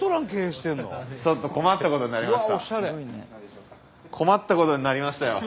ちょっと困ったことになりました。